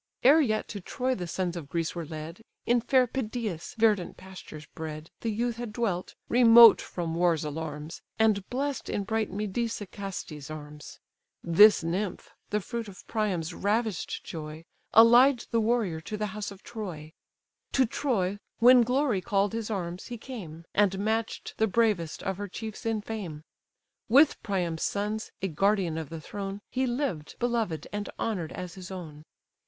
Ere yet to Troy the sons of Greece were led, In fair Pedaeus' verdant pastures bred, The youth had dwelt, remote from war's alarms, And blest in bright Medesicaste's arms: (This nymph, the fruit of Priam's ravish'd joy, Allied the warrior to the house of Troy:) To Troy, when glory call'd his arms, he came, And match'd the bravest of her chiefs in fame: With Priam's sons, a guardian of the throne, He lived, beloved and honour'd as his own.